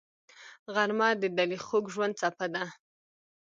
غرمه د دلي خوږ ژوند څپه ده